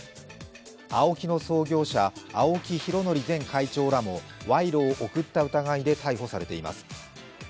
ＡＯＫＩの創業者・青木拡憲前会長らも賄賂を贈った疑いで逮捕されています。